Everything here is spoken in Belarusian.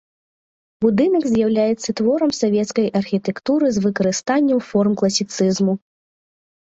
Будынак з'яўляецца творам савецкай архітэктуры з выкарыстаннем форм класіцызму.